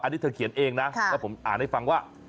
อันนี้เธอเขียนเองนะแล้วผมอ่านให้ฟังว่า